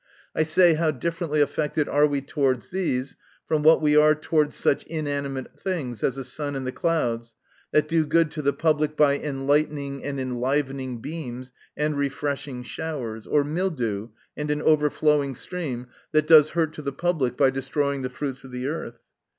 — I say, how differently affected are wre towards these, from what THE NATURE OF VIRTUE. 281 we are towards such inanimate things as the sun and the clouds, that do good to the public by enlightening and enlivening beams and refreshing showers ; or mildew, and an overflowing stream, that does hurt to the public, by destroying the fruits of the earth